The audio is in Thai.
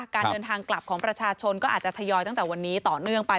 การเดินทางกลับของประชาชนก็อาจจะทยอยตั้งแต่วันนี้ต่อเนื่องไป